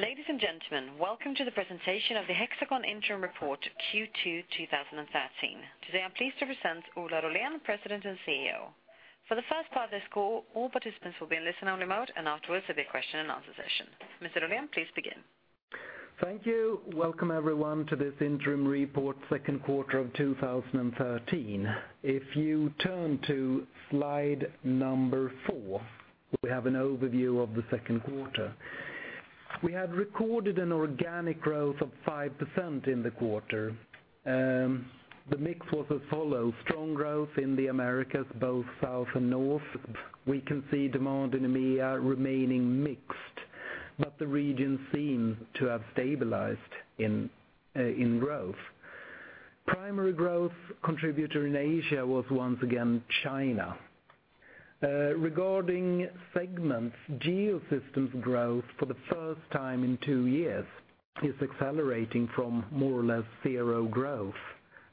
Ladies and gentlemen, welcome to the presentation of the Hexagon interim report Q2 2013. Today, I'm pleased to present Ola Rollén, President and CEO. For the first part of this call, all participants will be in listen-only mode, afterwards, there'll be a question and answer session. Mr. Rollén, please begin. Thank you. Welcome, everyone, to this interim report second quarter of 2013. If you turn to slide number four, we have an overview of the second quarter. We have recorded an organic growth of 5% in the quarter. The mix was as follows: strong growth in the Americas, both South and North. We can see demand in EMEIA remaining mixed, but the region seems to have stabilized in growth. Primary growth contributor in Asia was once again China. Regarding segments, Geosystems growth for the first time in two years is accelerating from more or less zero growth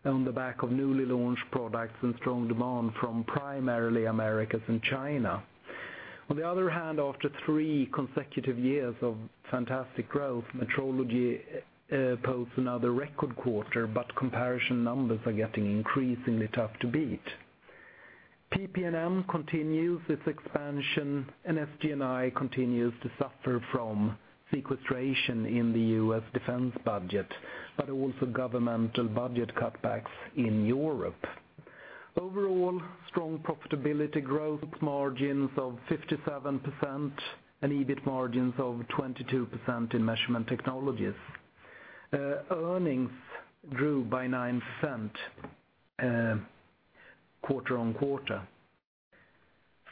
on the back of newly launched products and strong demand from primarily Americas and China. On the other hand, after three consecutive years of fantastic growth, Metrology posts another record quarter, but comparison numbers are getting increasingly tough to beat. PP&M continues its expansion, SG&I continues to suffer from sequestration in the U.S. defense budget, but also governmental budget cutbacks in Europe. Overall, strong profitability growth margins of 57% and EBIT margins of 22% in measurement technologies. Earnings grew by 9% quarter-on-quarter.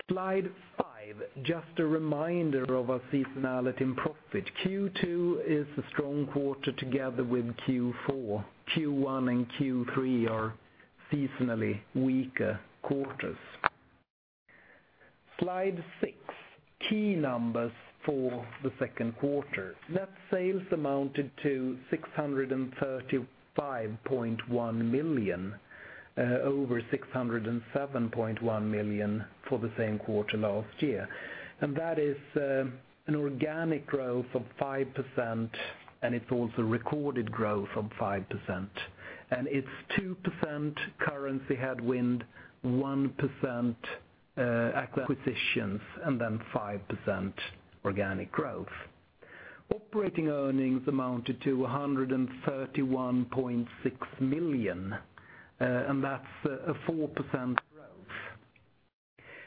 Slide five, just a reminder of our seasonality in profit. Q2 is a strong quarter together with Q4. Q1 and Q3 are seasonally weaker quarters. Slide six, key numbers for the second quarter. Net sales amounted to 635.1 million, over 607.1 million for the same quarter last year. That is an organic growth of 5%, it's also recorded growth of 5%. It's 2% currency headwind, 1% acquisitions, 5% organic growth. Operating earnings amounted to 131.6 million, that's a 4% growth.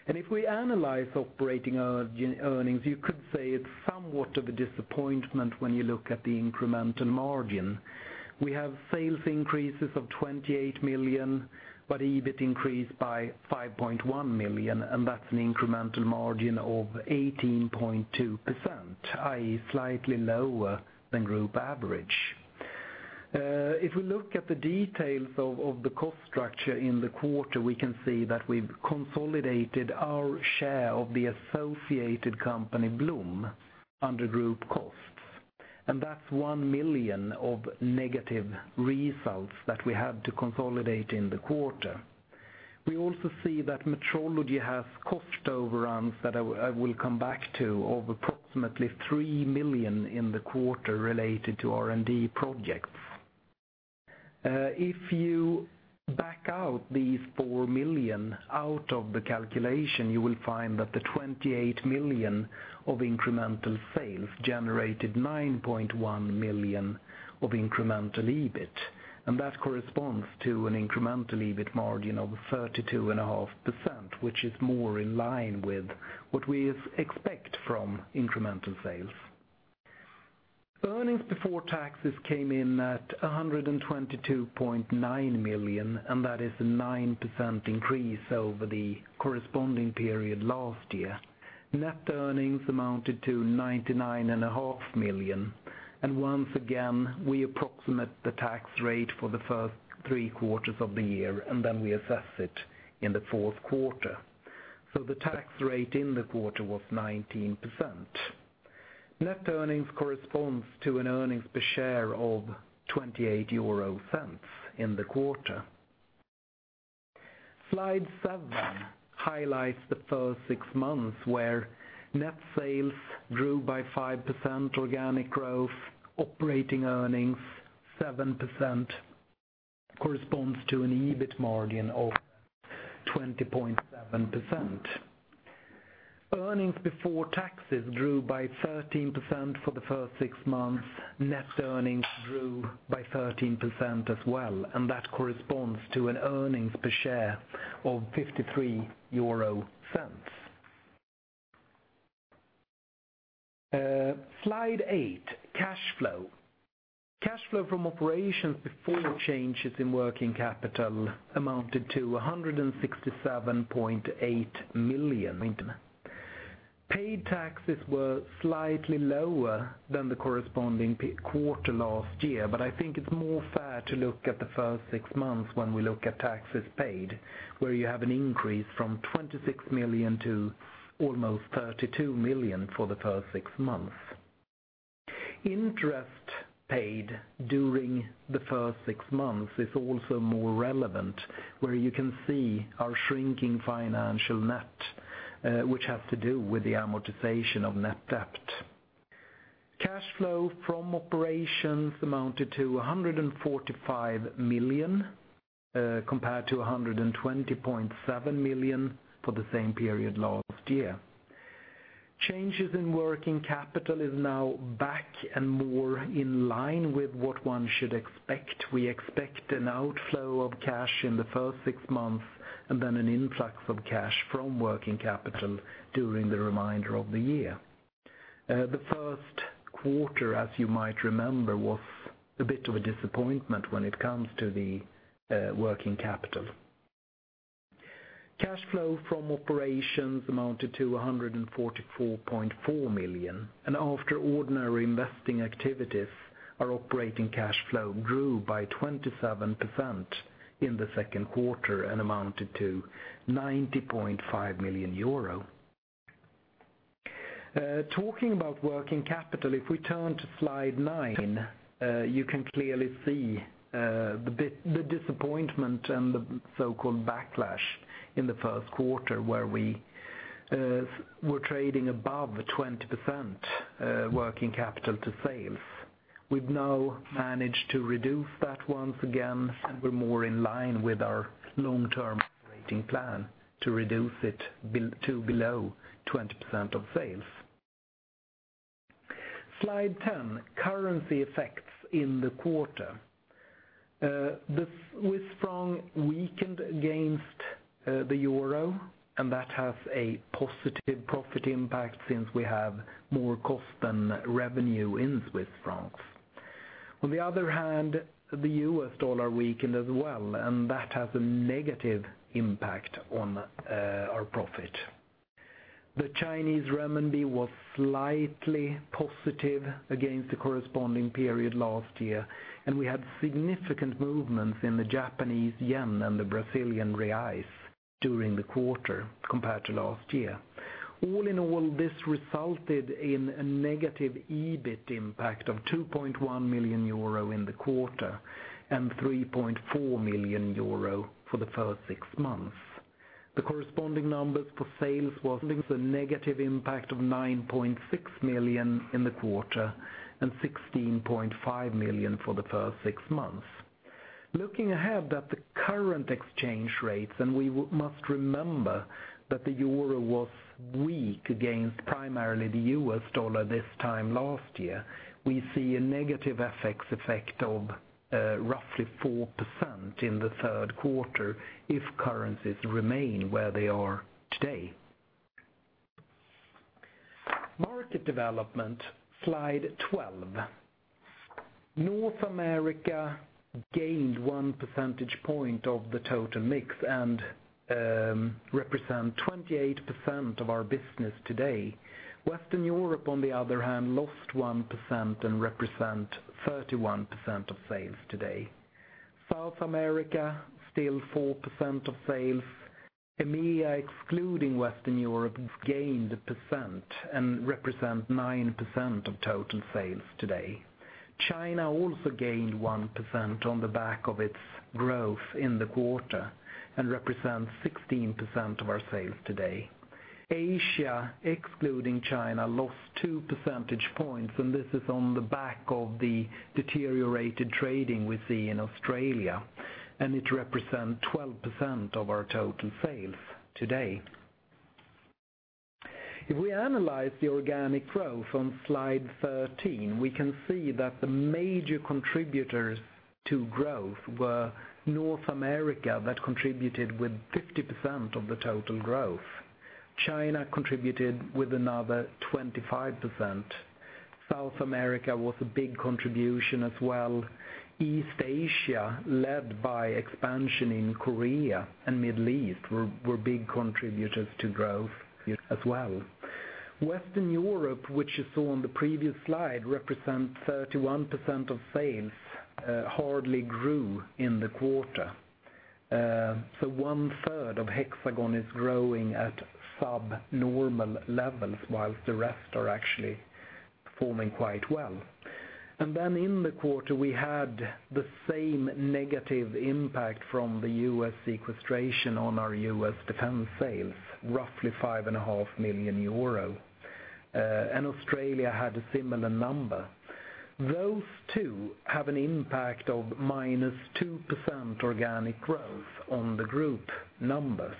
If we analyze operating earnings, you could say it's somewhat of a disappointment when you look at the incremental margin. We have sales increases of 28 million, EBIT increased by 5.1 million, that's an incremental margin of 18.2%, i.e., slightly lower than group average. If we look at the details of the cost structure in the quarter, we can see that we've consolidated our share of the associated company, Blom, under group costs. That's 1 million of negative results that we had to consolidate in the quarter. We also see that Metrology has cost overruns that I will come back to of approximately 3 million in the quarter related to R&D projects. If you back out these 4 million out of the calculation, you will find that the 28 million of incremental sales generated 9.1 million of incremental EBIT. That corresponds to an incremental EBIT margin of 32.5%, which is more in line with what we expect from incremental sales. Earnings before taxes came in at 122.9 million. That is a 9% increase over the corresponding period last year. Net earnings amounted to 99.5 million. Once again, we approximate the tax rate for the first three quarters of the year. Then we assess it in the fourth quarter. The tax rate in the quarter was 19%. Net earnings corresponds to an earnings per share of 0.28 in the quarter. Slide seven highlights the first six months, where net sales grew by 5% organic growth, operating earnings 7%, corresponds to an EBIT margin of 20.7%. Earnings before taxes grew by 13% for the first six months. Net earnings grew by 13% as well. That corresponds to an earnings per share of 0.53. Slide eight, cash flow. Cash flow from operations before changes in working capital amounted to 167.8 million. Paid taxes were slightly lower than the corresponding quarter last year, but I think it is more fair to look at the first six months when we look at taxes paid, where you have an increase from 26 million to almost 32 million for the first six months. Interest paid during the first six months is also more relevant, where you can see our shrinking financial net, which has to do with the amortization of net debt. Cash flow from operations amounted to 145 million, compared to 120.7 million for the same period last year. Changes in working capital is now back and more in line with what one should expect. We expect an outflow of cash in the first six months. Then an influx of cash from working capital during the remainder of the year. The first quarter, as you might remember, was a bit of a disappointment when it comes to the working capital. Cash flow from operations amounted to 144.4 million. After ordinary investing activities, our operating cash flow grew by 27% in the second quarter and amounted to 90.5 million euro. Talking about working capital, if we turn to slide nine, you can clearly see the disappointment and the so-called backlash in the first quarter where we were trading above 20% working capital to sales. We have now managed to reduce that once again, and we are more in line with our long-term operating plan to reduce it to below 20% of sales. Slide 10, currency effects in the quarter. The Swiss franc weakened against the euro. That has a positive profit impact since we have more cost than revenue in Swiss francs. On the other hand, the US dollar weakened as well. That has a negative impact on our profit. The Chinese renminbi was slightly positive against the corresponding period last year. We had significant movements in the Japanese yen and the Brazilian reais during the quarter compared to last year. All in all, this resulted in a negative EBIT impact of 2.1 million euro in the quarter, and 3.4 million euro for the first six months. The corresponding numbers for sales was a negative impact of 9.6 million in the quarter and 16.5 million for the first six months. Looking ahead at the current exchange rates, we must remember that the euro was weak against primarily the U.S. dollar this time last year, we see a negative FX effect of roughly 4% in the third quarter if currencies remain where they are today. Market development, slide 12. North America gained one percentage point of the total mix and represent 28% of our business today. Western Europe, on the other hand, lost 1% and represent 31% of sales today. South America, still 4% of sales. EMEA, excluding Western Europe, gained 1% and represent 9% of total sales today. China also gained 1% on the back of its growth in the quarter and represents 16% of our sales today. Asia, excluding China, lost two percentage points, this is on the back of the deteriorated trading we see in Australia, it represent 12% of our total sales today. If we analyze the organic growth on slide 13, we can see that the major contributors to growth were North America that contributed with 50% of the total growth. China contributed with another 25%. South America was a big contribution as well. East Asia, led by expansion in Korea and Middle East, were big contributors to growth as well. Western Europe, which you saw on the previous slide, represent 31% of sales, hardly grew in the quarter. One third of Hexagon is growing at subnormal levels, whilst the rest are actually performing quite well. Then in the quarter, we had the same negative impact from the U.S. sequestration on our U.S. defense sales, roughly 5.5 million euro. Australia had a similar number. Those two have an impact of minus 2% organic growth on the group numbers,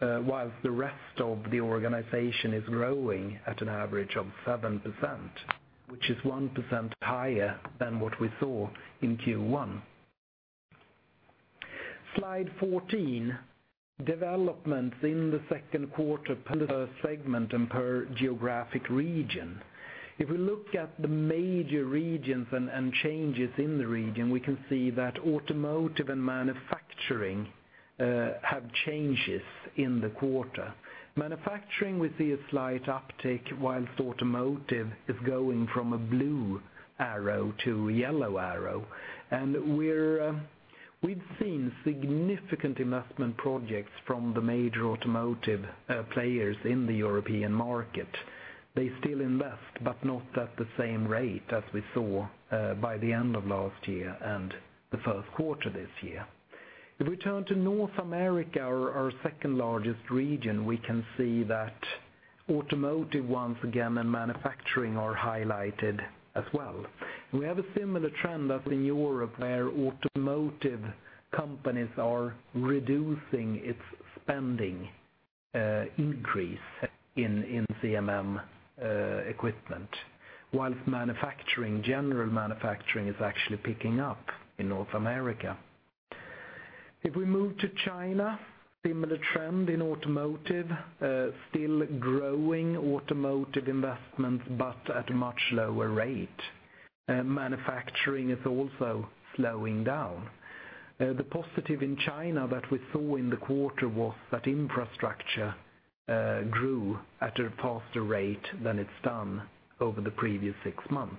whilst the rest of the organization is growing at an average of 7%, which is 1% higher than what we saw in Q1. Slide 14. Developments in the second quarter per segment and per geographic region. If we look at the major regions and changes in the region, we can see that automotive and manufacturing have changes in the quarter. Manufacturing, we see a slight uptick, whilst automotive is going from a blue arrow to yellow arrow. We've seen significant investment projects from the major automotive players in the European market. They still invest, but not at the same rate as we saw by the end of last year and the first quarter this year. If we turn to North America, our second largest region, we can see that automotive once again, manufacturing are highlighted as well. We have a similar trend as in Europe, where automotive companies are reducing its spending increase in CMM equipment, whilst general manufacturing is actually picking up in North America. If we move to China, similar trend in automotive, still growing automotive investments, but at a much lower rate. Manufacturing is also slowing down. The positive in China that we saw in the quarter was that infrastructure grew at a faster rate than it's done over the previous six months.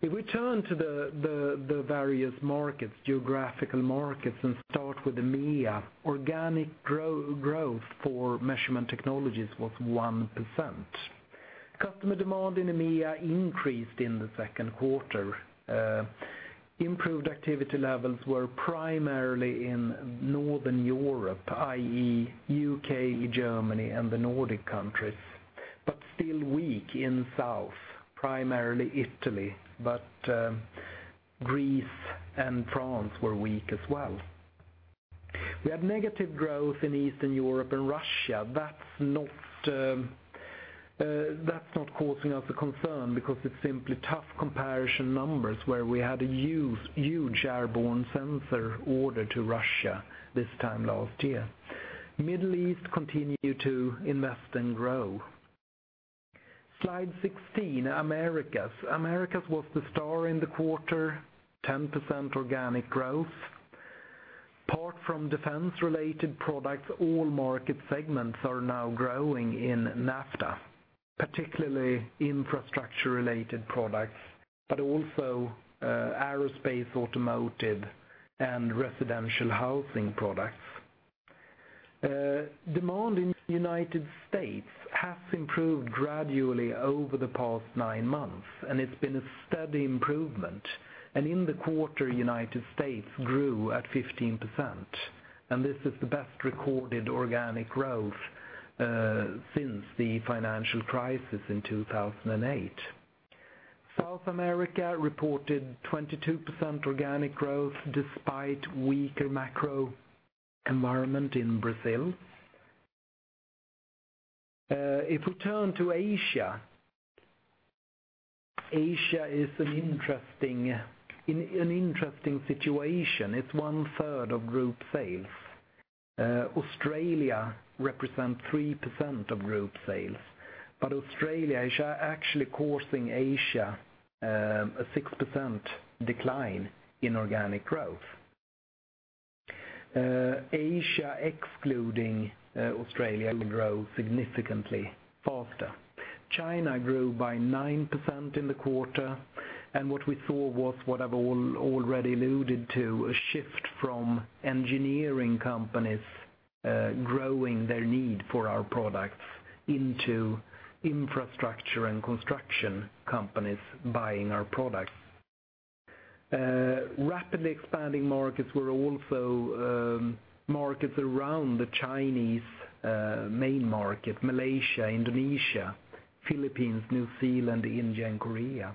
If we turn to the various geographical markets and start with EMEA, organic growth for measurement technologies was 1%. Customer demand in EMEA increased in the second quarter. Improved activity levels were primarily in Northern Europe, i.e., U.K., Germany, and the Nordic countries, but still weak in south, primarily Italy. Greece and France were weak as well. We had negative growth in Eastern Europe and Russia. That is not causing us a concern because it is simply tough comparison numbers where we had a huge airborne sensor order to Russia this time last year. Middle East continue to invest and grow. Slide 16, Americas. Americas was the star in the quarter, 10% organic growth. Apart from defense-related products, all market segments are now growing in NAFTA, particularly infrastructure-related products, but also aerospace, automotive, and residential housing products. Demand in United States has improved gradually over the past nine months, and it has been a steady improvement. In the quarter, United States grew at 15%, and this is the best recorded organic growth since the financial crisis in 2008. South America reported 22% organic growth despite weaker macro environment in Brazil. If we turn to Asia is in an interesting situation. It is one third of group sales. Australia represents 3% of group sales, but Australia is actually causing Asia a 6% decline in organic growth. Asia, excluding Australia, will grow significantly faster. China grew by 9% in the quarter, and what we saw was what I have already alluded to, a shift from engineering companies growing their need for our products into infrastructure and construction companies buying our products. Rapidly expanding markets were also markets around the Chinese main market, Malaysia, Indonesia, Philippines, New Zealand, India, and Korea.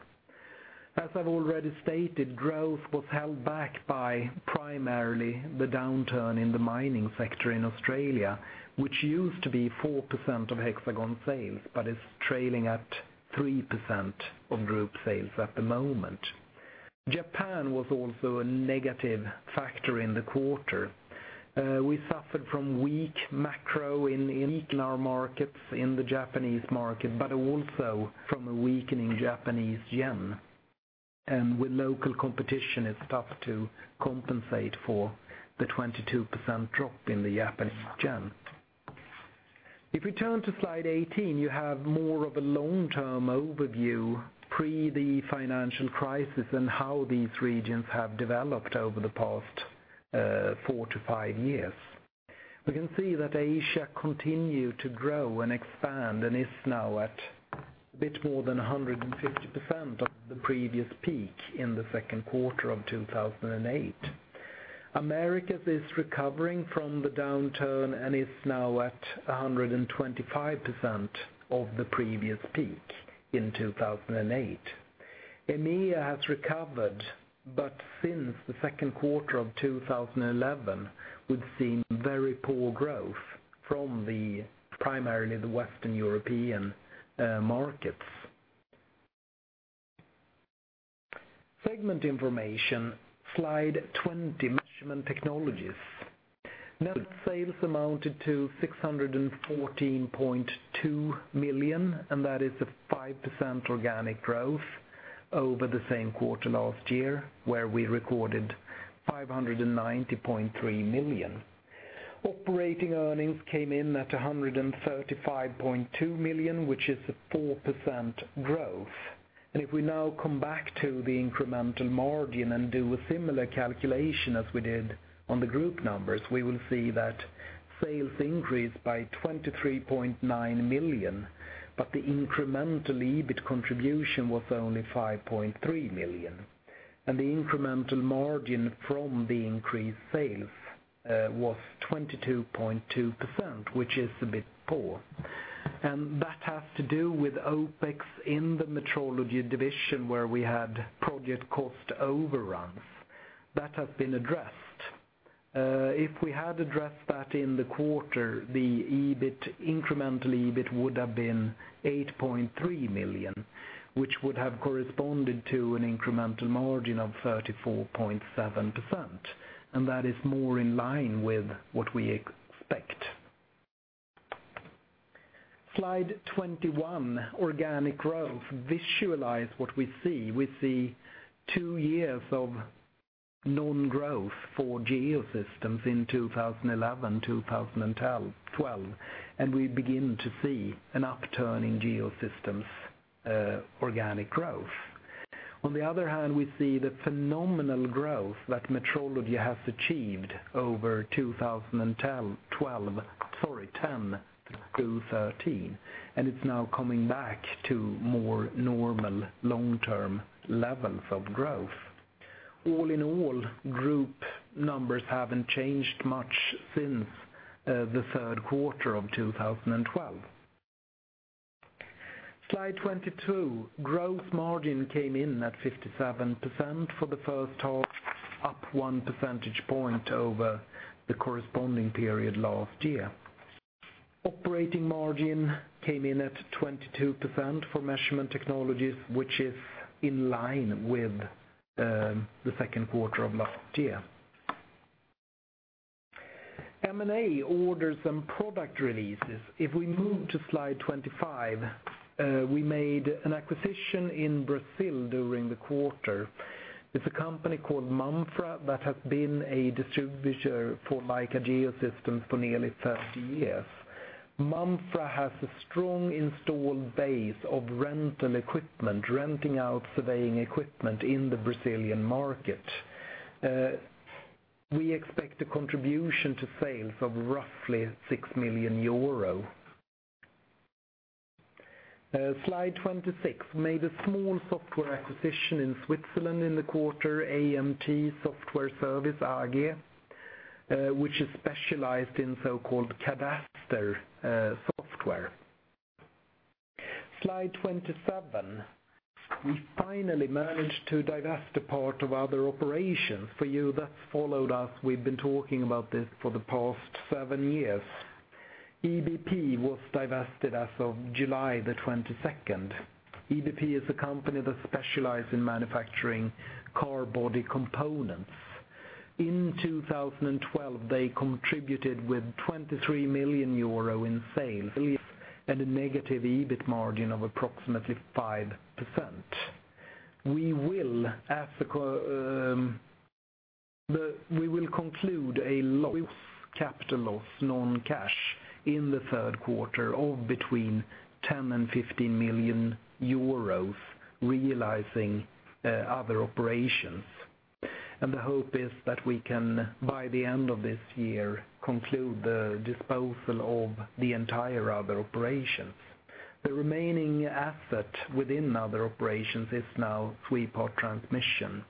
As I have already stated, growth was held back by primarily the downturn in the mining sector in Australia, which used to be 4% of Hexagon sales, but is trailing at 3% of group sales at the moment. Japan was also a negative factor in the quarter. We suffered from weak macro in our markets, in the Japanese market, also from a weakening Japanese yen. It is tough to compensate for the 22% drop in the Japanese yen. If we turn to slide 18, you have more of a long-term overview, pre the financial crisis and how these regions have developed over the past four to five years. We can see that Asia continued to grow and expand and is now at a bit more than 150% of the previous peak in the second quarter of 2008. Americas is recovering from the downturn and is now at 125% of the previous peak in 2008. EMEA has recovered, since the second quarter of 2011, we have seen very poor growth from primarily the Western European markets. Segment information, slide 20, measurement technologies. Net sales amounted to 614.2 million, that is a 5% organic growth over the same quarter last year, where we recorded 590.3 million. Operating earnings came in at 135.2 million, which is a 4% growth. If we now come back to the incremental margin and do a similar calculation as we did on the group numbers, we will see that sales increased by 23.9 million, the incremental EBIT contribution was only 5.3 million. The incremental margin from the increased sales was 22.2%, which is a bit poor. That has to do with OPEX in the Metrology division, where we had project cost overruns. That has been addressed. If we had addressed that in the quarter, the incremental EBIT would have been 8.3 million, which would have corresponded to an incremental margin of 34.7%, that is more in line with what we expect. Slide 21, organic growth visualize what we see. We see two years of non-growth for Geosystems in 2011, 2012, and we begin to see an upturn in Geosystems organic growth. On the other hand, we see the phenomenal growth that Metrology has achieved over 2010 to 2013, and it's now coming back to more normal long-term levels of growth. All in all, group numbers haven't changed much since the third quarter of 2012. Slide 22, growth margin came in at 57% for the first half, up one percentage point over the corresponding period last year. Operating margin came in at 22% for Measurement Technologies, which is in line with the second quarter of last year. M&A orders and product releases. If we move to slide 25, we made an acquisition in Brazil during the quarter. It's a company called MAMFRA that has been a distributor for Leica Geosystems for nearly 30 years. MAMFRA has a strong installed base of rental equipment, renting out surveying equipment in the Brazilian market. We expect a contribution to sales of roughly 6 million euro. Slide 26. Made a small software acquisition in Switzerland in the quarter, a/m/t software service ag, which is specialized in so-called cadastre software. Slide 27. We finally managed to divest a part of other operations. For you that followed us, we've been talking about this for the past seven years. EBP was divested as of July 22nd. EBP is a company that specialized in manufacturing car body components. In 2012, they contributed with 23 million euro in sales and a negative EBIT margin of approximately 5%. We will conclude a capital loss, non-cash, in the third quarter of between 10 million and 15 million euros realizing other operations. The hope is that we can, by the end of this year, conclude the disposal of the entire other operations. The remaining asset within other operations is now Swepart Transmission,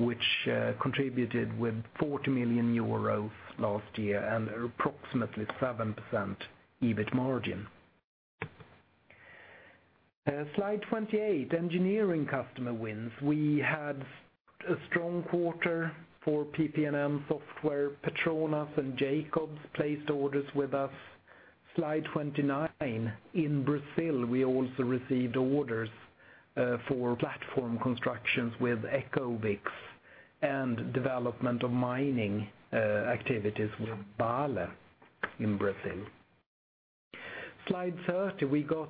which contributed with 40 million euros last year and approximately 7% EBIT margin. Slide 28, engineering customer wins. We had a strong quarter for PPM Software, PETRONAS and Jacobs placed orders with us. Slide 29. In Brazil, we also received orders for platform constructions with Ecovix and development of mining activities with Vale in Brazil. Slide 30. We got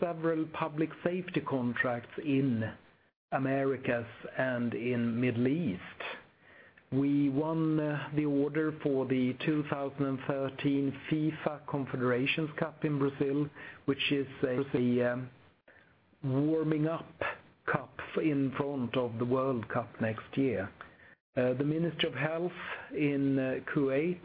several public safety contracts in Americas and in Middle East. We won the order for the 2013 FIFA Confederations Cup in Brazil, which is a warming up cup in front of the World Cup next year. The Ministry of Health in Kuwait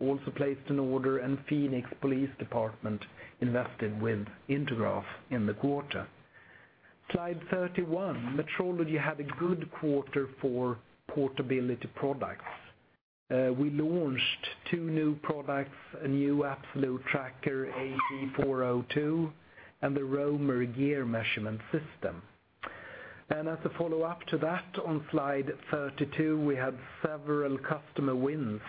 also placed an order, Phoenix Police Department invested with Intergraph in the quarter. Slide 31. Metrology had a good quarter for portability products. We launched two new products, a new Absolute Tracker AT402 and the ROMER gear measurement system. As a follow-up to that, on slide 32, we had several customer wins.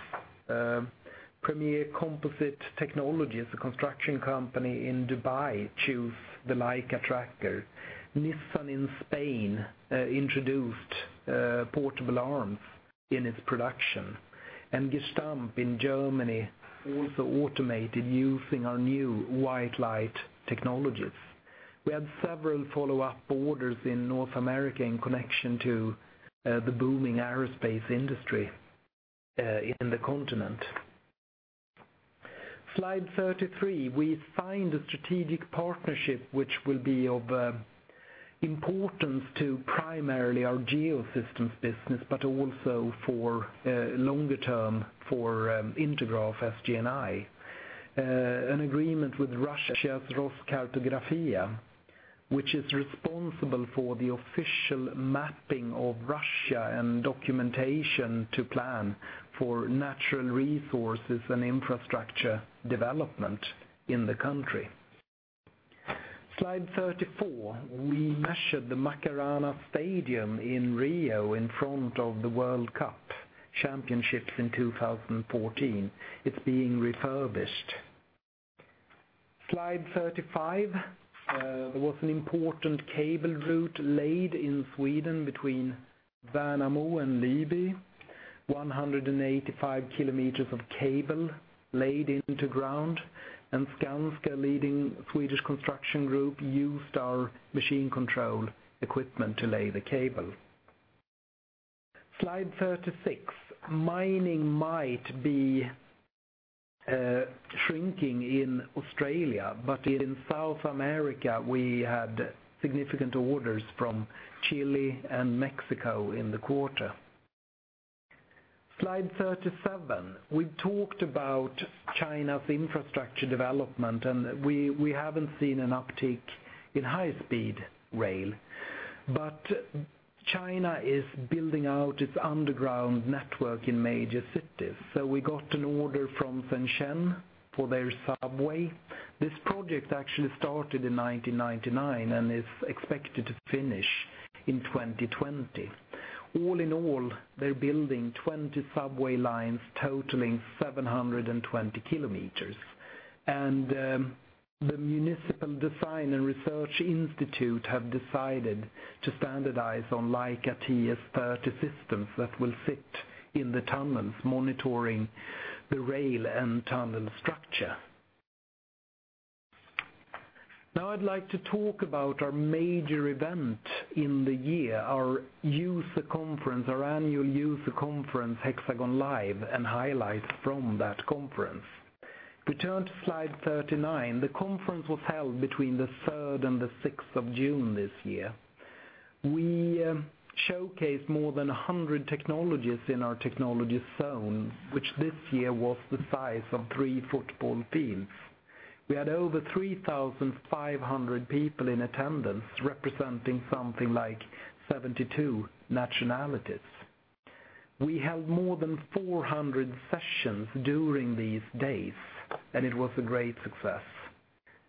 Premier Composite Technologies, a construction company in Dubai, choose the Leica tracker. Nissan in Spain introduced portable arms in its production, Gestamp in Germany also automated using our new white light technologies. We had several follow-up orders in North America in connection to the booming aerospace industry in the continent. Slide 33. We signed a strategic partnership which will be of importance to primarily our Geosystems business, but also for longer term for Intergraph SG&I. An agreement with Russia's Roskartografia, which is responsible for the official mapping of Russia and documentation to plan for natural resources and infrastructure development in the country. Slide 34. We measured the Maracanã Stadium in Rio in front of the World Cup championships in 2014. It's being refurbished. Slide 35. There was an important cable route laid in Sweden between Värnamo and Leby, 185 kilometers of cable laid into ground, and Skanska, leading Swedish construction group, used our machine control equipment to lay the cable. Slide 36. Mining might be shrinking in Australia, but in South America, we had significant orders from Chile and Mexico in the quarter. Slide 37. We talked about China's infrastructure development, and we haven't seen an uptick in high-speed rail. China is building out its underground network in major cities. So we got an order from Shenzhen for their subway. This project actually started in 1999 and is expected to finish in 2020. All in all, they're building 20 subway lines totaling 720 kilometers. The Municipal Design and Research Institute have decided to standardize on Leica TS30 systems that will sit in the tunnels, monitoring the rail and tunnel structure. Now I'd like to talk about our major event in the year, our annual user conference, Hexagon Live, and highlights from that conference. If we turn to Slide 39, the conference was held between the 3rd and the 6th of June this year. We showcased more than 100 technologies in our technology zone, which this year was the size of three football teams. We had over 3,500 people in attendance, representing something like 72 nationalities. We held more than 400 sessions during these days, and it was a great success.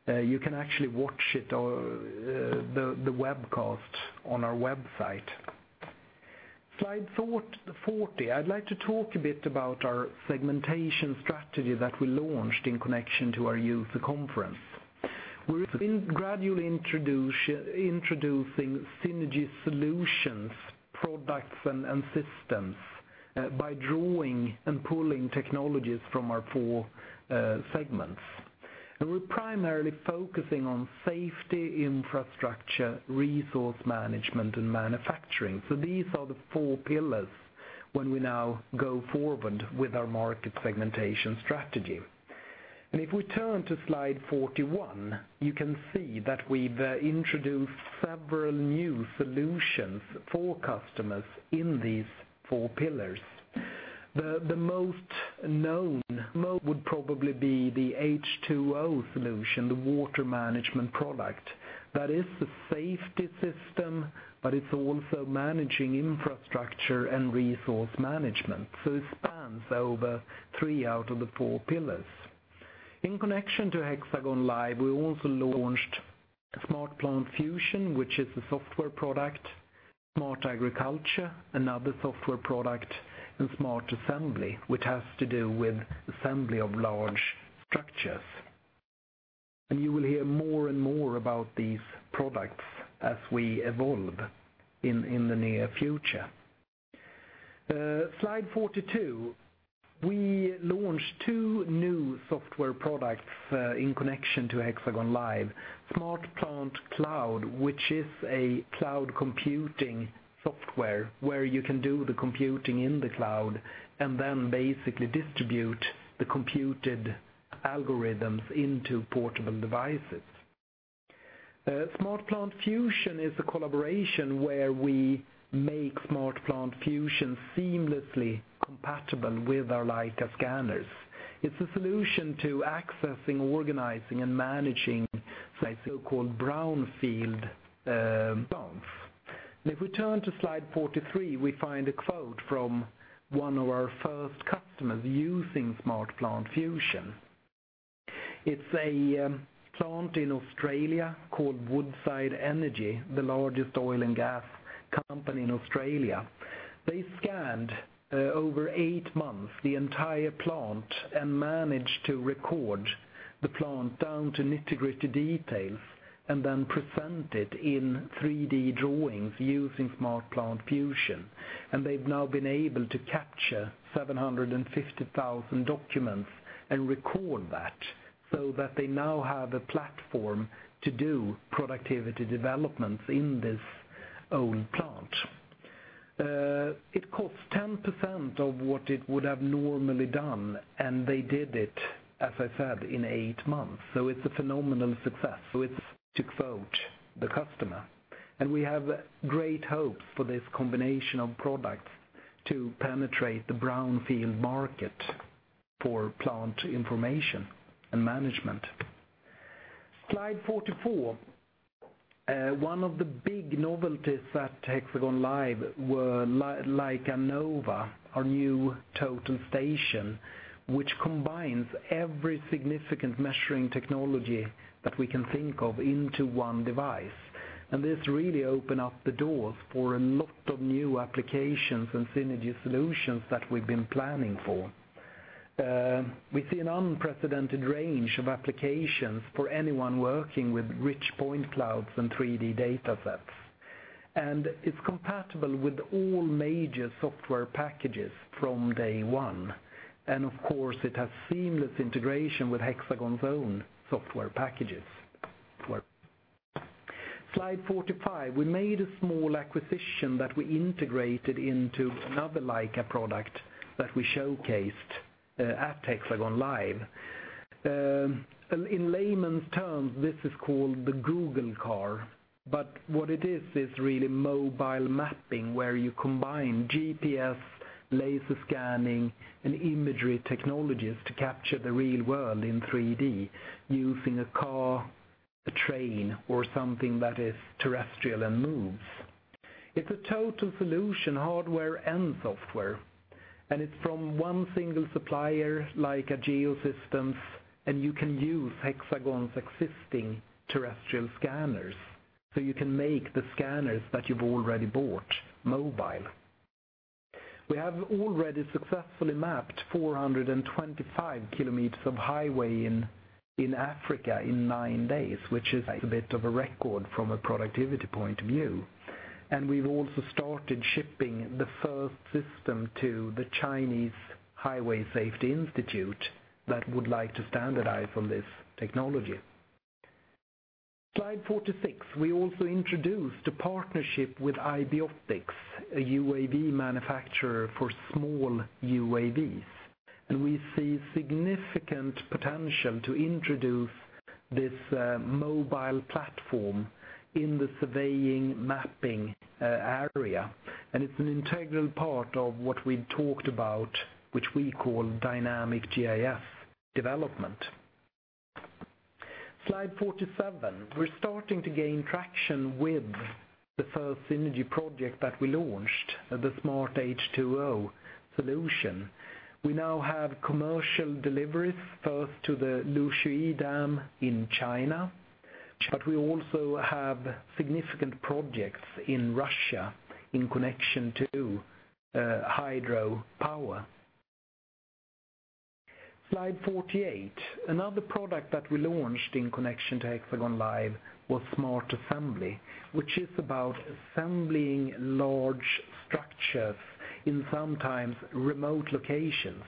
You can actually watch the webcast on our website. Slide 40. I'd like to talk a bit about our segmentation strategy that we launched in connection to our user conference. We're gradually introducing synergy solutions, products, and systems by drawing and pulling technologies from our four segments. We're primarily focusing on safety, infrastructure, resource management, and manufacturing. These are the four pillars when we now go forward with our market segmentation strategy. If we turn to Slide 41, you can see that we've introduced several new solutions for customers in these four pillars. The most known would probably be the H2O solution, the water management product. That is the safety system, but it's also managing infrastructure and resource management. So it spans over three out of the four pillars. In connection to Hexagon Live, we also launched SmartPlant Fusion, which is a software product, Smart Agriculture, another software product, and Smart Assembly, which has to do with assembly of large structures. You will hear more and more about these products as we evolve in the near future. Slide 42. We launched two new software products in connection to Hexagon Live. SmartPlant Cloud, which is a cloud computing software where you can do the computing in the cloud and then basically distribute the computed algorithms into portable devices. SmartPlant Fusion is a collaboration where we make SmartPlant Fusion seamlessly compatible with our Leica scanners. It's a solution to accessing, organizing, and managing a so-called brownfield plant. If we turn to Slide 43, we find a quote from one of our first customers using SmartPlant Fusion. It's a plant in Australia called Woodside Energy, the largest oil and gas company in Australia. They scanned, over eight months, the entire plant and managed to record the plant down to nitty-gritty details and then present it in 3D drawings using SmartPlant Fusion. They've now been able to capture 750,000 documents and record that so that they now have a platform to do productivity developments in this old plant. It costs 10% of what it would have normally done, and they did it, as I said, in eight months. It's a phenomenal success. It's to quote the customer. We have great hopes for this combination of products to penetrate the brownfield market for plant information and management. Slide 44. One of the big novelties at Hexagon Live were Leica Nova, our new total station, which combines every significant measuring technology that we can think of into one device. This really open up the doors for a lot of new applications and synergy solutions that we've been planning for. We see an unprecedented range of applications for anyone working with rich point clouds and 3D data sets. It's compatible with all major software packages from day one. Of course, it has seamless integration with Hexagon's own software packages. Slide 45. We made a small acquisition that we integrated into another Leica product that we showcased at Hexagon Live. In layman's terms, this is called the Google car, but what it is really mobile mapping where you combine GPS, laser scanning, and imagery technologies to capture the real world in 3D using a car, a train, or something that is terrestrial and moves. It's a total solution, hardware and software, and it's from one single supplier, Leica Geosystems, and you can use Hexagon's existing terrestrial scanners, so you can make the scanners that you've already bought mobile. We have already successfully mapped 425 kilometers of highway in Africa in nine days, which is a bit of a record from a productivity point of view. We've also started shipping the first system to the Chinese Highway Safety Institute that would like to standardize on this technology. Slide 46. We also introduced a partnership with IB/E Optics, a UAV manufacturer for small UAVs. We see significant potential to introduce this mobile platform in the surveying, mapping area, and it's an integral part of what we talked about, which we call dynamic GIS development. Slide 47. We're starting to gain traction with the first synergy project that we launched, the Smart H2O solution. We now have commercial deliveries, first to the Lushui Dam in China. We also have significant projects in Russia in connection to hydro power. Slide 48. Another product that we launched in connection to Hexagon Live was Smart Assembly, which is about assembling large structures in sometimes remote locations.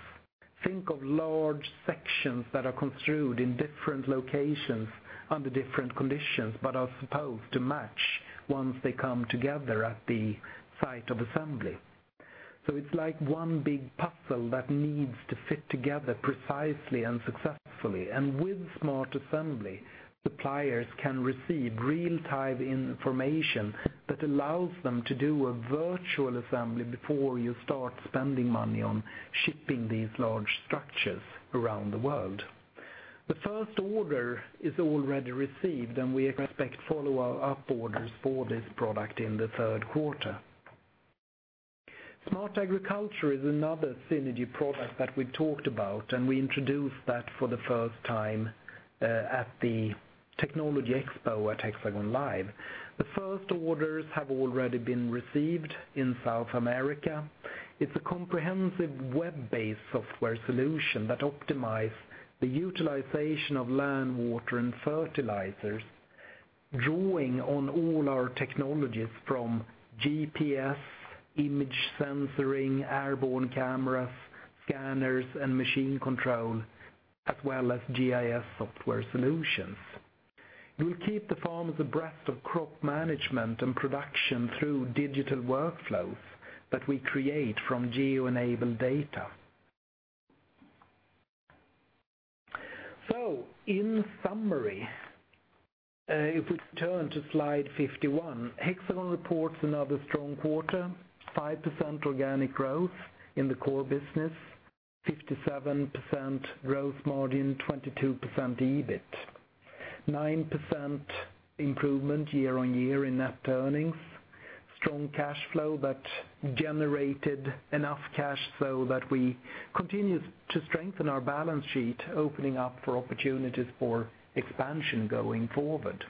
Think of large sections that are construed in different locations under different conditions but are supposed to match once they come together at the site of assembly. It's like one big puzzle that needs to fit together precisely and successfully. With Smart Assembly, suppliers can receive real-time information that allows them to do a virtual assembly before you start spending money on shipping these large structures around the world. The first order is already received, and we expect follow-up orders for this product in the third quarter. Smart Agriculture is another synergy product that we talked about, and we introduced that for the first time at the technology expo at Hexagon Live. The first orders have already been received in South America. It's a comprehensive web-based software solution that optimize the utilization of land, water, and fertilizers, drawing on all our technologies from GPS, image sensoring, airborne cameras, scanners, and machine control, as well as GIS software solutions. We keep the farmers abreast of crop management and production through digital workflows that we create from geo-enabled data. In summary, if we turn to slide 51, Hexagon reports another strong quarter, 5% organic growth in the core business, 57% growth margin, 22% EBIT. 9% improvement year-on-year in net earnings, strong cash flow that generated enough cash so that we continue to strengthen our balance sheet, opening up for opportunities for expansion going forward.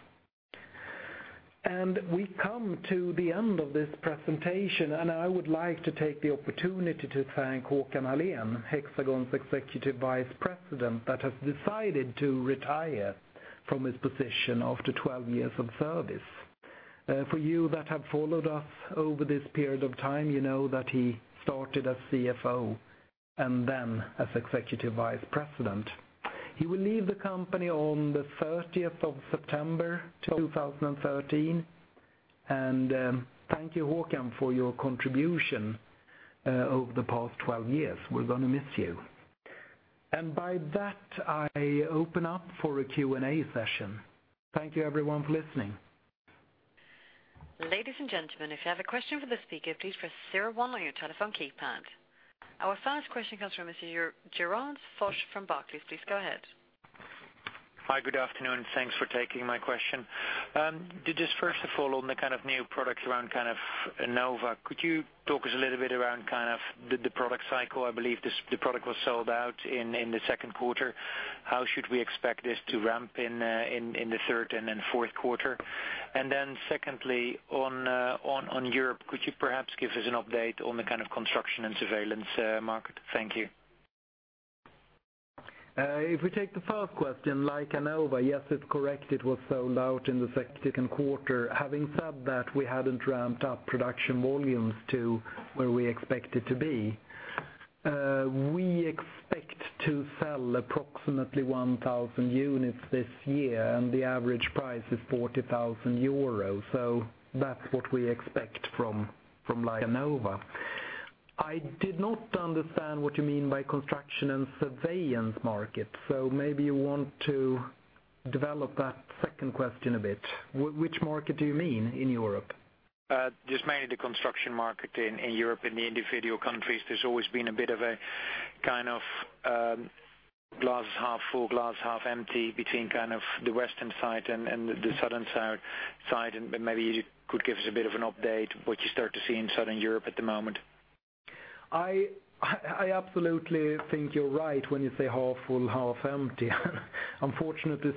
We come to the end of this presentation, and I would like to take the opportunity to thank Håkan Ahlén, Hexagon's Executive Vice President, that has decided to retire from his position after 12 years of service. For you that have followed us over this period of time, you know that he started as CFO, and then as Executive Vice President. He will leave the company on the 30th of September, 2013. Thank you, Håkan, for your contribution over the past 12 years. We're going to miss you. By that, I open up for a Q&A session. Thank you everyone for listening. Ladies and gentlemen, if you have a question for the speaker, please press 01 on your telephone keypad. Our first question comes from Mr. Gerard Foch from Barclays. Please go ahead. Hi. Good afternoon. Thanks for taking my question. First of all, on the kind of new products around Nova. Could you talk us a little bit around the product cycle? I believe the product was sold out in the second quarter. How should we expect this to ramp in the third and fourth quarter? Secondly, on Europe, could you perhaps give us an update on the kind of construction and surveillance market? Thank you. If we take the first question, Leica Nova, yes, it's correct, it was sold out in the second quarter. Having said that, we hadn't ramped up production volumes to where we expect it to be. We expect to sell approximately 1,000 units this year, and the average price is 40,000 euros, so that's what we expect from Leica Nova. I did not understand what you mean by construction and surveillance market, so maybe you want to develop that second question a bit. Which market do you mean in Europe? Mainly the construction market in Europe, in the individual countries, there's always been a bit of a glass half full, glass half empty between kind of the western side and the southern side. Maybe you could give us a bit of an update, what you start to see in Southern Europe at the moment. I absolutely think you're right when you say half full, half empty. Unfortunately,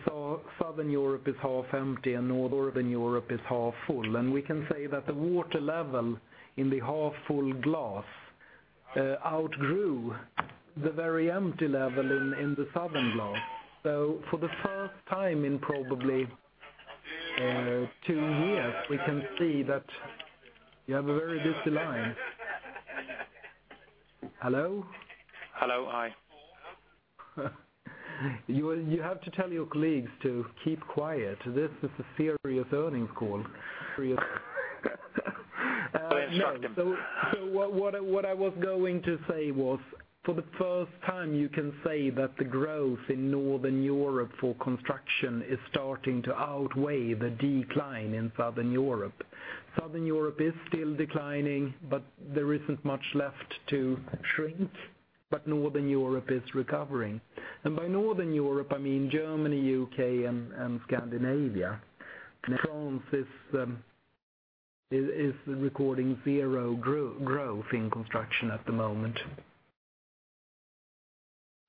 Southern Europe is half empty and Northern Europe is half full, and we can say that the water level in the half full glass outgrew the very empty level in the southern glass. For the first time in probably two years, we can see. You have a very busy line. Hello? Hello. Hi. You have to tell your colleagues to keep quiet. This is a serious earnings call. I'll instruct them. What I was going to say was, for the first time, you can say that the growth in Northern Europe for construction is starting to outweigh the decline in Southern Europe. Southern Europe is still declining, but there isn't much left to shrink. Northern Europe is recovering, and by Northern Europe, I mean Germany, U.K., and Scandinavia. France is recording zero growth in construction at the moment.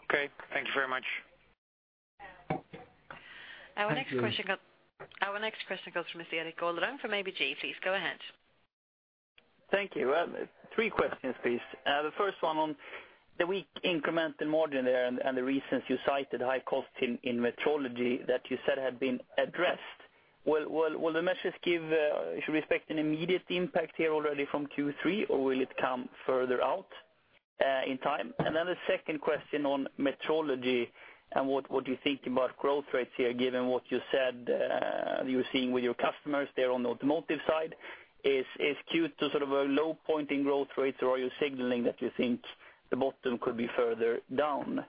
Okay. Thank you very much. Our next question- Thank you. Our next question comes from Mr. Erik Golrang from ABG. Please go ahead. Thank you. Three questions, please. The first one on the weak incremental margin there, and the reasons you cited, high cost in Metrology that you said had been addressed. Should we expect an immediate impact here already from Q3, or will it come further out in time? A second question on Metrology and what you think about growth rates here, given what you said you're seeing with your customers there on the automotive side. Is Q2 sort of a low point in growth rates, or are you signaling that you think the bottom could be further down?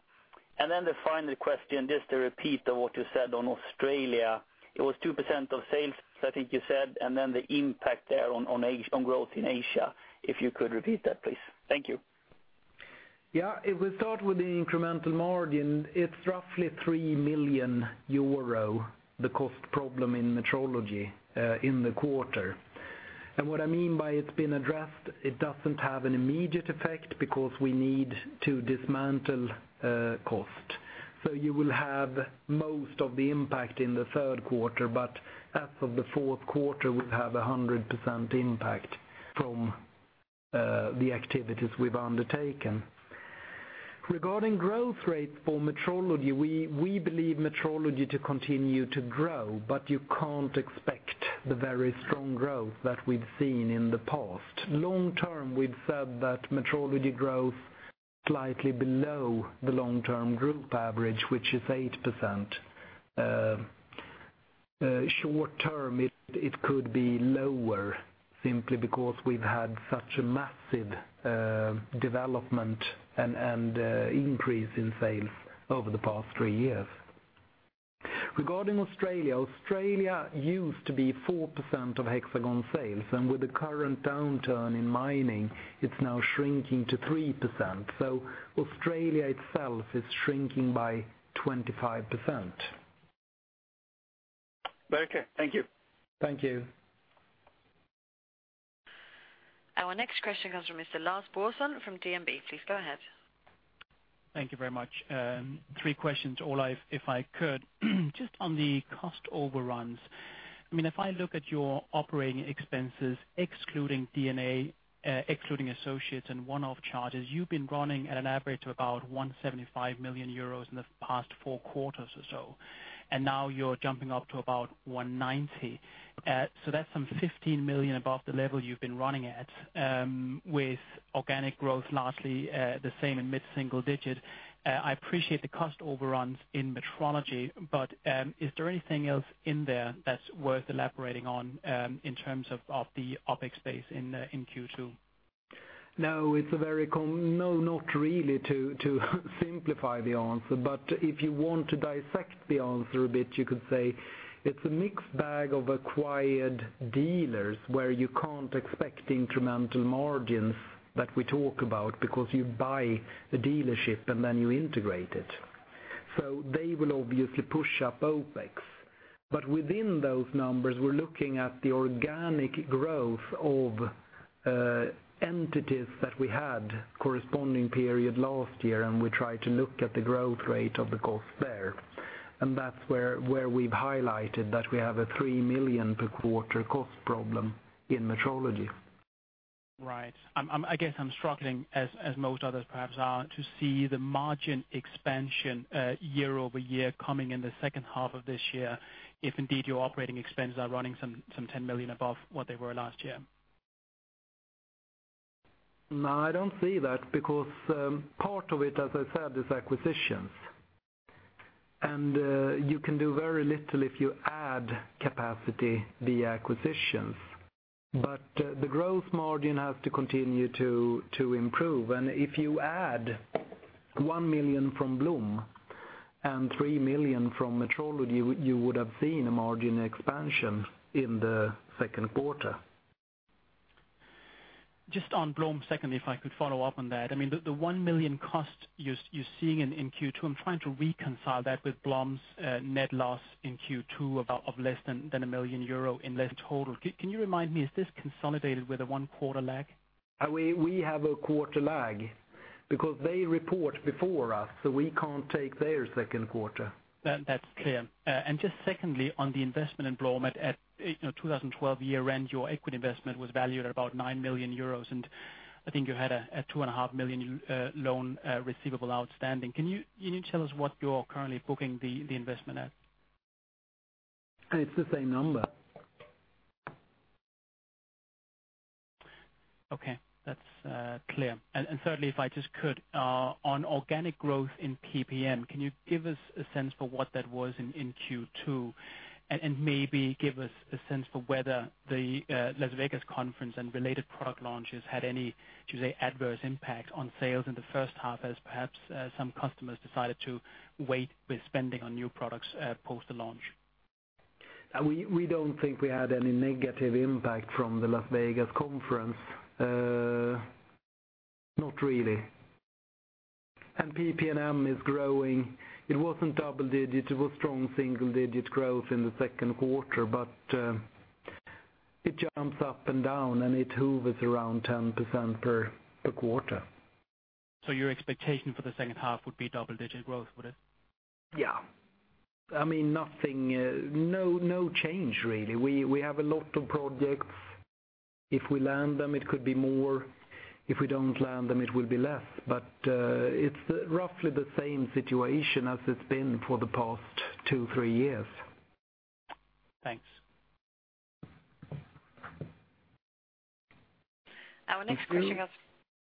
The final question, just to repeat on what you said on Australia, it was 2% of sales, I think you said, the impact there on growth in Asia. If you could repeat that, please. Thank you. If we start with the incremental margin, it's roughly 3 million euro, the cost problem in Metrology in the quarter. What I mean by it's been addressed, it doesn't have an immediate effect because we need to dismantle cost. You will have most of the impact in the third quarter, but as of the fourth quarter, we'll have 100% impact from the activities we've undertaken. Regarding growth rates for Metrology, we believe Metrology to continue to grow, but you can't expect the very strong growth that we've seen in the past. Long term, we've said that Metrology growth slightly below the long-term group average, which is 8%. Short term, it could be lower simply because we've had such a massive development and increase in sales over the past three years. Regarding Australia used to be 4% of Hexagon sales, and with the current downturn in mining, it's now shrinking to 3%. Australia itself is shrinking by 25%. Thank you. Thank you. Our next question comes from Mr. Lars Boisson from DNB. Please go ahead. Thank you very much. Three questions all, if I could. On the cost overruns. If I look at your operating expenses, excluding D&A, excluding associates and one-off charges, you've been running at an average of about 175 million euros in the past four quarters or so, and now you're jumping up to about 190 million. That's some 15 million above the level you've been running at with organic growth largely the same in mid-single digit. I appreciate the cost overruns in Metrology, is there anything else in there that's worth elaborating on in terms of the OpEx base in Q2? No, not really to simplify the answer. If you want to dissect the answer a bit, you could say it's a mixed bag of acquired dealers where you can't expect incremental margins that we talk about because you buy a dealership and then you integrate it. They will obviously push up OpEx. Within those numbers, we're looking at the organic growth of entities that we had corresponding period last year, and we try to look at the growth rate of the cost there. That's where we've highlighted that we have a 3 million per quarter cost problem in Metrology. Right. I guess I'm struggling, as most others perhaps are, to see the margin expansion year-over-year coming in the second half of this year, if indeed your operating expenses are running some 10 million above what they were last year. No, I don't see that because part of it, as I said, is acquisitions. You can do very little if you add capacity via acquisitions. The gross margin has to continue to improve. If you add 1 million from Blom and 3 million from Metrology, you would have seen a margin expansion in the second quarter. Just on Blom, secondly, if I could follow up on that. The 1 million cost you're seeing in Q2, I'm trying to reconcile that with Blom's net loss in Q2 of less than a million EUR in less total. Can you remind me, is this consolidated with a one-quarter lag? We have a quarter lag because they report before us, so we can't take their second quarter. That's clear. Secondly, on the investment in Blom. At 2012 year-end, your equity investment was valued at about 9 million euros, and I think you had a two and a half million loan receivable outstanding. Can you tell us what you're currently booking the investment at? It's the same number. Okay. That's clear. Thirdly, if I just could, on organic growth in PPM, can you give us a sense for what that was in Q2, and maybe give us a sense for whether the Las Vegas conference and related product launches had any, should say, adverse impact on sales in the first half as perhaps some customers decided to wait with spending on new products post the launch? We don't think we had any negative impact from the Las Vegas conference. Not really. PPM is growing. It wasn't double-digit. It was strong single-digit growth in the second quarter, but it jumps up and down, and it hoovers around 10% per quarter. Your expectation for the second half would be double-digit growth, would it? Yeah. Nothing, no change, really. We have a lot of projects. If we land them, it could be more. If we don't land them, it will be less. It's roughly the same situation as it's been for the past two, three years. Thanks. Thank you.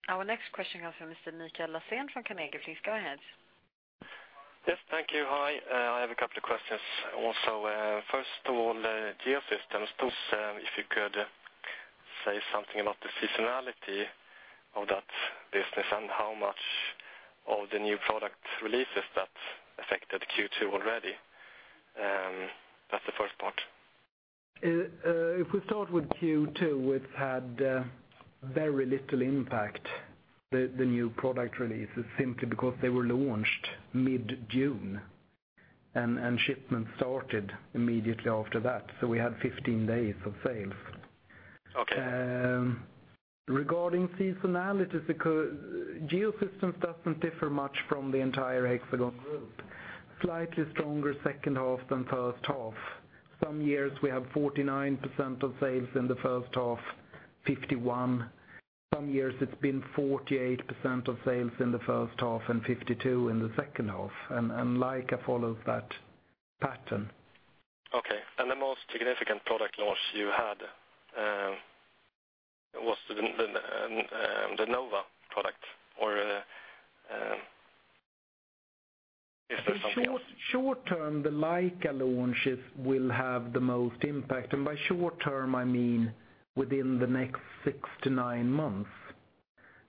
Our next question comes from Mr. Mikael Laséen from Carnegie. Please go ahead. Yes, thank you. Hi. I have a couple of questions also. First of all, Geosystems, if you could say something about the seasonality of that business and how much of the new product releases that affected Q2 already. That's the first part. If we start with Q2, it had very little impact, the new product releases, simply because they were launched mid-June and shipments started immediately after that. We had 15 days of sales. Okay. Regarding seasonality, because Geosystems doesn't differ much from the entire Hexagon group. Slightly stronger second half than first half. Some years we have 49% of sales in the first half, 51%. Some years it's been 48% of sales in the first half and 52% in the second half, Leica follows that pattern. Okay. The most significant product launch you had was the Nova product, or is there something else? Short term, the Leica launches will have the most impact, I mean within the next six to nine months.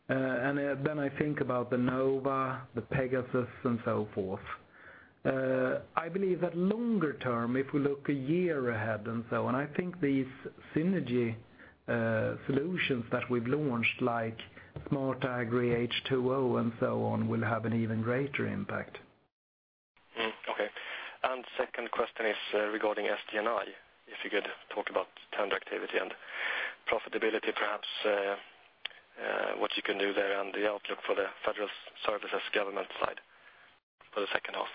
Then I think about the Nova, the Pegasus, and so forth. I believe that longer term, if we look a year ahead and so on, I think these synergy solutions that we've launched, like Smart Agri H2O and so on, will have an even greater impact. Okay. Second question is regarding SG&I, if you could talk about tender activity and profitability, perhaps what you can do there and the outlook for the federal services government side for the second half.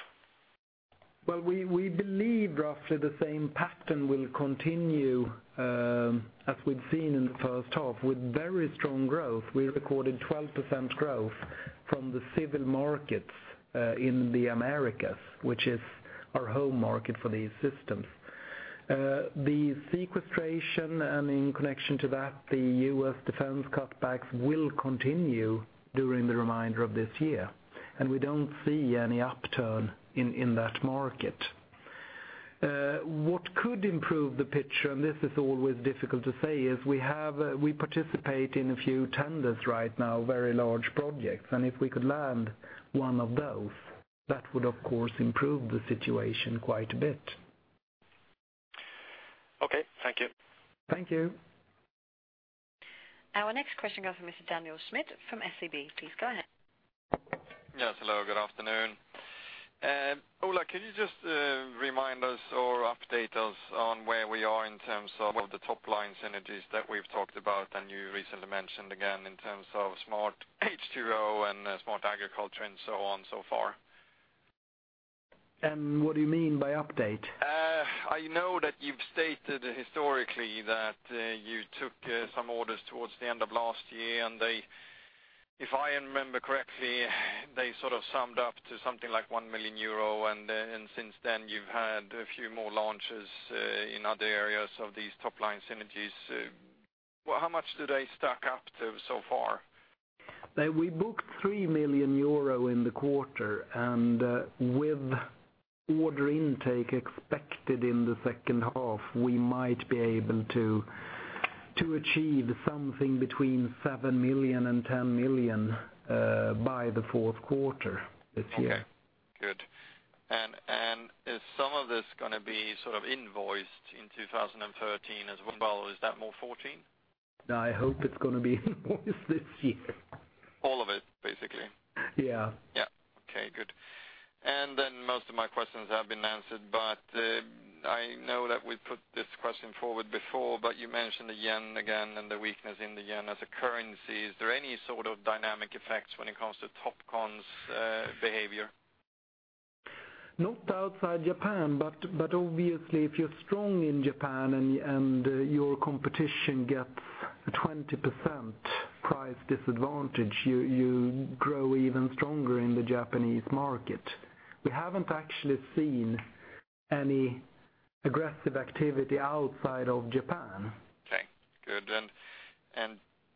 Well, we believe roughly the same pattern will continue as we've seen in the first half with very strong growth. We recorded 12% growth from the civil markets in the Americas, which is our home market for these systems. The sequestration, and in connection to that, the U.S. defense cutbacks will continue during the remainder of this year, we don't see any upturn in that market. What could improve the picture, and this is always difficult to say, is we participate in a few tenders right now, very large projects, and if we could land one of those, that would, of course, improve the situation quite a bit. Okay, thank you. Thank you. Our next question comes from Mr. Daniel Schmidt from SEB. Please go ahead. Yes, hello, good afternoon. Ola, can you just remind us or update us on where we are in terms of what the top-line synergies that we've talked about, and you recently mentioned again in terms of Smart H2O and Smart Agriculture, and so on so far? What do you mean by update? I know that you've stated historically that you took some orders towards the end of last year, and if I remember correctly, they summed up to something like 1 million euro, and since then you've had a few more launches in other areas of these top-line synergies. How much do they stack up to so far? We booked 3 million euro in the quarter, and with order intake expected in the second half, we might be able to achieve something between 7 million and 10 million by the fourth quarter this year. Okay, good. Is some of this going to be invoiced in 2013 as well, or is that more 2014? I hope it's going to be invoiced this year. All of it, basically. Yeah. Yes. Okay, good. Then most of my questions have been answered, I know that we put this question forward before, You mentioned the yen again and the weakness in the yen as a currency. Is there any sort of dynamic effects when it comes to Topcon's behavior? Not outside Japan, obviously if you're strong in Japan and your competition gets 20% price disadvantage, you grow even stronger in the Japanese market. We haven't actually seen any aggressive activity outside of Japan. Okay, good.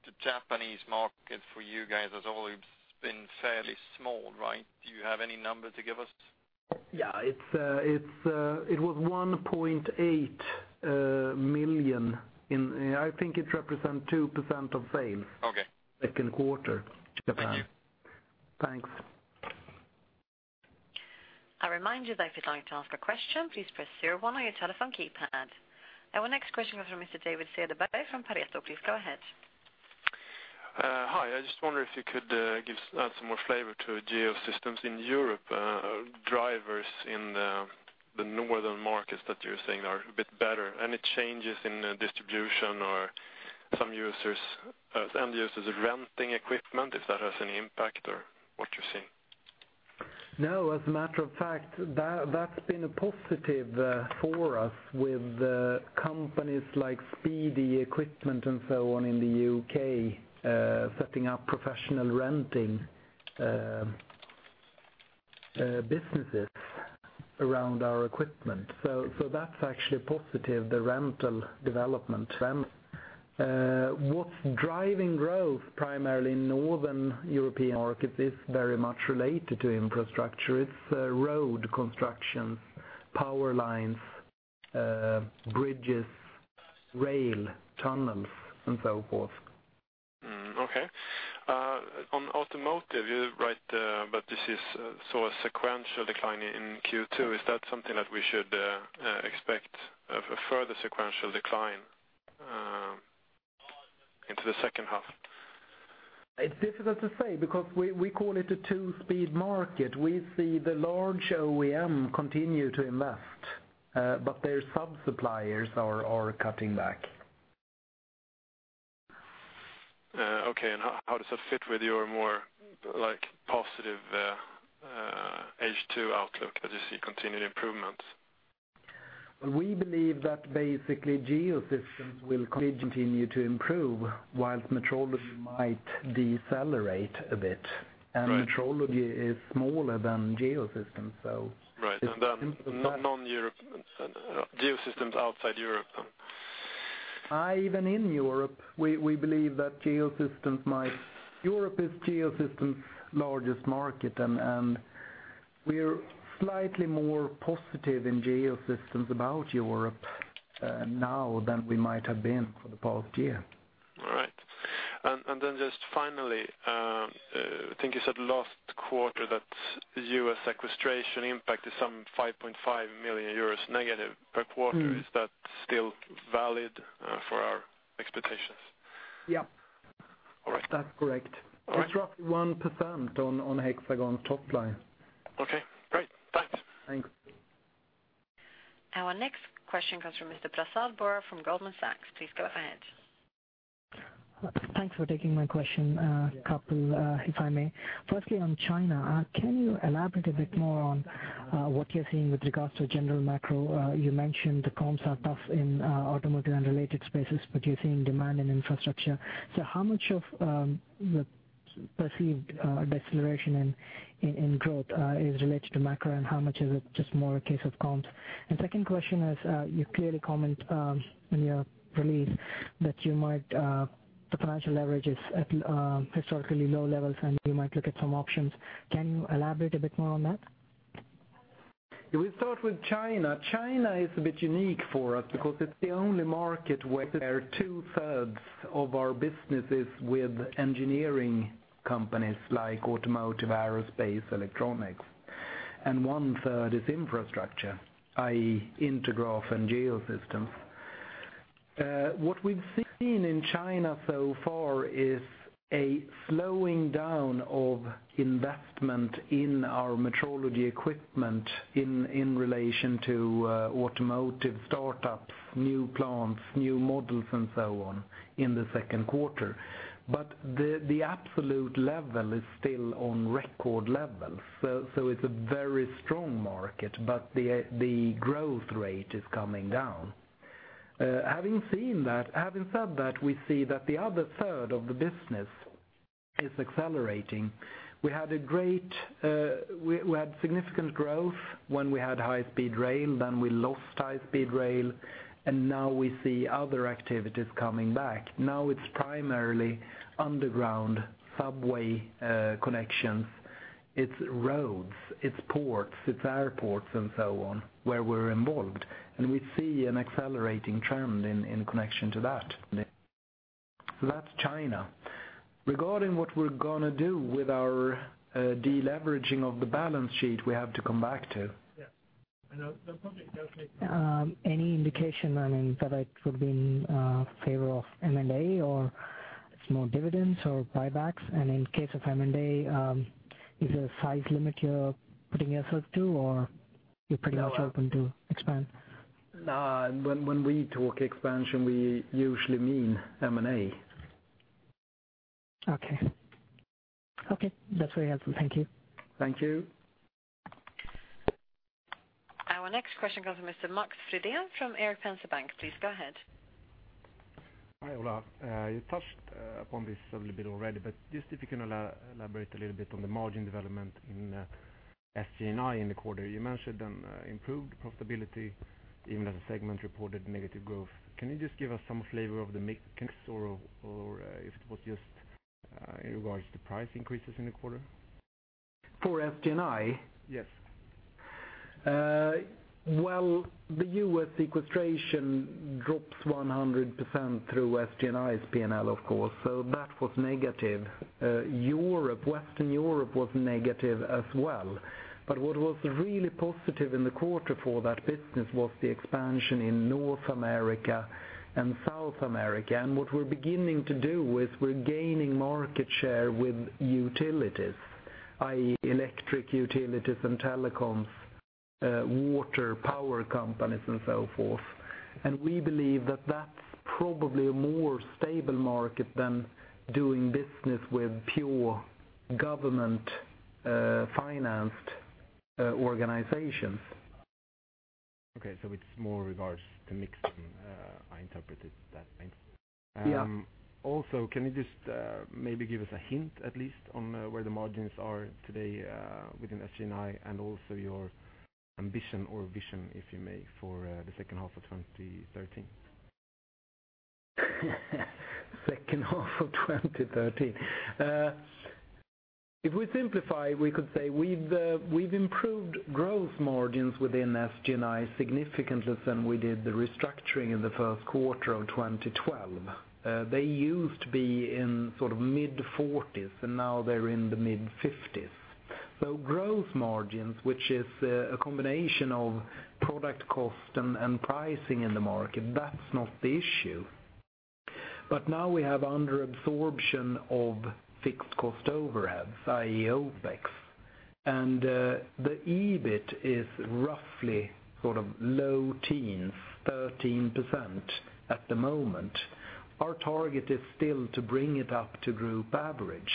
The Japanese market for you guys has always been fairly small, right? Do you have any number to give us? Yeah. It was 1.8 million. I think it represents 2% of sales. Okay second quarter, Japan. Thank you. Thanks. I remind you that if you'd like to ask a question, please press zero one on your telephone keypad. Our next question comes from Mr. David Cederberg from Pareto. Please go ahead. Hi, I just wonder if you could give us some more flavor to Geosystems in Europe, drivers in the northern markets that you're saying are a bit better. Any changes in distribution or some end users are renting equipment, if that has any impact or what you're seeing? No, as a matter of fact, that's been a positive for us with companies like Speedy Hire and so on in the U.K., setting up professional renting businesses around our equipment. That's actually positive, the rental development. What's driving growth primarily in northern European markets is very much related to infrastructure. It's road constructions, power lines, bridges, rail tunnels and so forth. Okay. On automotive you write that this is a sequential decline in Q2. Is that something that we should expect, a further sequential decline into the second half? It's difficult to say because we call it a two-speed market. We see the large OEM continue to invest, but their sub-suppliers are cutting back. Okay, how does that fit with your more positive H2 outlook as you see continued improvements? We believe that basically Geosystems will continue to improve whilst Metrology might decelerate a bit, and Metrology is smaller than Geosystems. Right. Non-Europe, Geosystems outside Europe. Even in Europe, we believe that Geosystems Europe is Geosystems largest market, and we're slightly more positive in Geosystems about Europe now than we might have been for the past year. All right. Then just finally, I think you said last quarter that U.S. sequestration impact is some 5.5 million euros negative per quarter. Is that still valid for our expectations? Yep. All right. That's correct. All right. It's roughly 1% on Hexagon top line. Okay, great. Thanks. Thanks. Our next question comes from Mr. Prasad Borra from Goldman Sachs. Please go ahead. Thanks for taking my question. A couple, if I may. Firstly, on China, can you elaborate a bit more on what you're seeing with regards to general macro? You mentioned the comps are tough in automotive and related spaces, but you're seeing demand in infrastructure. How much of the perceived deceleration in growth is related to macro, and how much is it just more a case of comps? Second question is, you clearly comment in your release that the financial leverage is at historically low levels, and you might look at some options. Can you elaborate a bit more on that? If we start with China is a bit unique for us because it's the only market where two-thirds of our business is with engineering companies like automotive, aerospace, electronics, and one-third is infrastructure, i.e., Intergraph and Geosystems. What we've seen in China so far is a slowing down of investment in our metrology equipment in relation to automotive startups, new plants, new models, and so on in the second quarter. The absolute level is still on record levels, so it's a very strong market, but the growth rate is coming down. Having said that, we see that the other third of the business is accelerating. We had significant growth when we had high-speed rail, then we lost high-speed rail, and now we see other activities coming back. Now it's primarily underground subway connections, it's roads, it's ports, it's airports, and so on, where we're involved. We see an accelerating trend in connection to that. That's China. Regarding what we're going to do with our de-leveraging of the balance sheet, we have to come back to. Yeah. I know. Any indication, that it would be in favor of M&A or small dividends or buybacks, and in case of M&A, is there a size limit you're putting yourself to, or you're pretty much open to expand? No, when we talk expansion, we usually mean M&A. Okay. That's very helpful. Thank you. Thank you. Our next question comes from Mr. Max Frida from Erik Penser Bank. Please go ahead. Hi, Ola. You touched upon this a little bit already, but just if you can elaborate a little bit on the margin development in SG&I in the quarter. You mentioned an improved profitability even as the segment reported negative growth. Can you just give us some flavor of the mix or if it was just in regards to price increases in the quarter? For SG&I? Yes. The U.S. sequestration drops 100% through SG&I's P&L, of course, that was negative. Western Europe was negative as well. What was really positive in the quarter for that business was the expansion in North America and South America. What we're beginning to do is we're gaining market share with utilities, i.e., electric utilities and telecoms, water, power companies, and so forth. We believe that that's probably a more stable market than doing business with pure government-financed organizations. It's more regards to mix, I interpreted that. Thanks. Yeah. Can you just maybe give us a hint at least on where the margins are today within SG&I and also your ambition or vision, if you may, for the second half of 2013? Second half of 2013. If we simplify, we could say we've improved gross margins within SG&I significantly than we did the restructuring in the first quarter of 2012. They used to be in mid-40s, and now they're in the mid-50s. Gross margins, which is a combination of product cost and pricing in the market, that's not the issue. Now we have under-absorption of fixed cost overheads, i.e., OpEx. The EBIT is roughly low teens, 13% at the moment. Our target is still to bring it up to group average.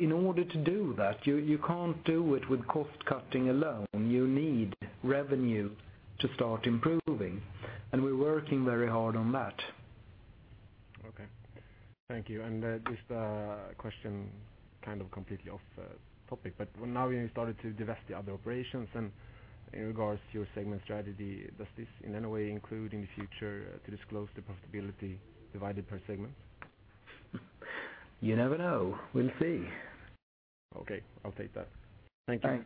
In order to do that, you can't do it with cost-cutting alone. You need revenue to start improving, and we're working very hard on that. Okay. Thank you. Just a question, kind of completely off topic, but now you started to divest the other operations, and in regards to your segment strategy, does this in any way include in the future to disclose the profitability divided per segment? You never know. We'll see. Okay. I'll take that. Thank you.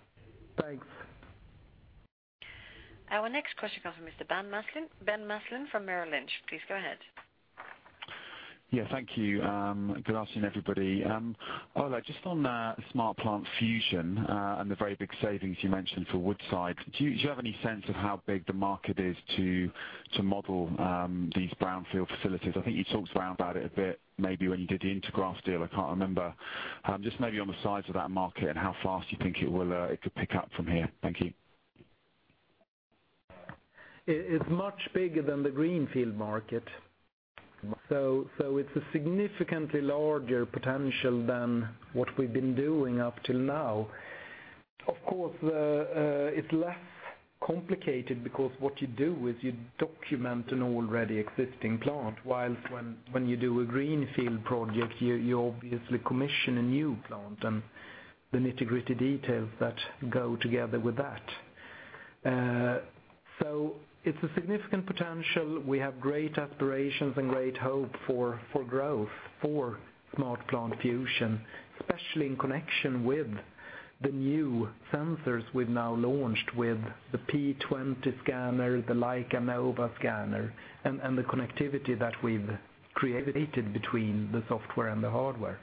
Thanks. Our next question comes from Mr. Ben Maslen from Merrill Lynch. Please go ahead. Yeah, thank you. Good afternoon, everybody. Ola, just on SmartPlant Fusion and the very big savings you mentioned for Woodside, do you have any sense of how big the market is to model these brownfield facilities? I think you talked around about it a bit maybe when you did the Intergraph deal, I can't remember. Just maybe on the size of that market and how fast you think it could pick up from here. Thank you. It's much bigger than the greenfield market. Okay. It's a significantly larger potential than what we've been doing up till now. Of course, it's less complicated because what you do is you document an already existing plant, whilst when you do a greenfield project, you obviously commission a new plant and the nitty-gritty details that go together with that. It's a significant potential. We have great aspirations and great hope for growth for SmartPlant Fusion, especially in connection with the new sensors we've now launched with the P20 scanner, the Leica Nova scanner, and the connectivity that we've created between the software and the hardware.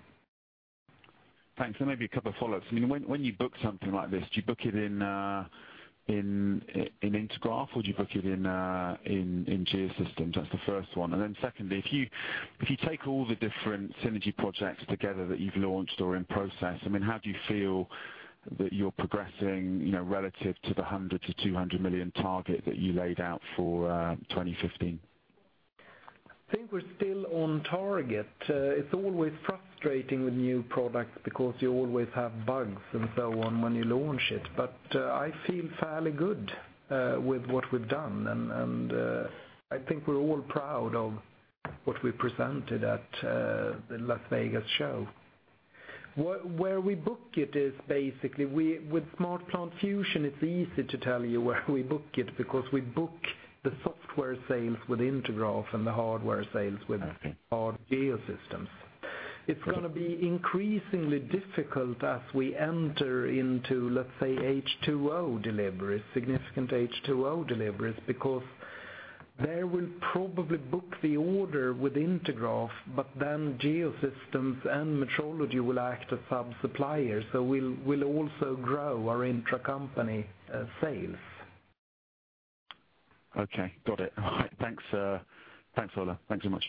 Thanks. Maybe a couple follow-ups. When you book something like this, do you book it in Intergraph, or do you book it in Geosystems? That's the first one. Secondly, if you take all the different synergy projects together that you've launched or in process, how do you feel that you're progressing relative to the 100 million to 200 million target that you laid out for 2015? I think we're still on target. It's always frustrating with new products because you always have bugs and so on when you launch it, but I feel fairly good with what we've done, and I think we're all proud of what we presented at the Las Vegas show. Where we book it is basically, with SmartPlant Fusion, it's easy to tell you where we book it because we book the software sales with Intergraph and the hardware sales with our Geosystems. It's going to be increasingly difficult as we enter into, let's say, Smart H2O deliveries, significant Smart H2O deliveries, because they will probably book the order with Intergraph, but then Geosystems and Metrology will act as sub-suppliers. We'll also grow our intracompany sales. Okay. Got it. All right. Thanks, Ola. Thanks so much.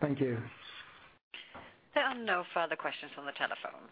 Thank you. There are no further questions on the telephone.